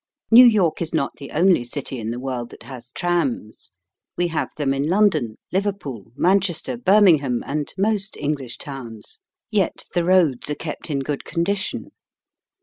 New York is not the only city in the world that has trams. We have them in London, Liverpool, Manchester, Birmingham, and most English towns. Yet the roads are kept in good condition.